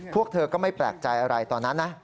พวกเธอก็ไม่แปลกใจอะไรตอนนั้นนะ